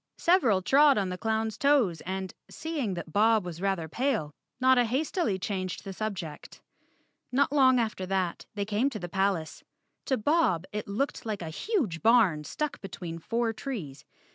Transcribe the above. Several trod on the clown's toes and, seeing that Bob was rather pale, Notta hastily changed the subject. Not long after that they came to the palace. To Bob it looked like a huge barn stuck between four trees.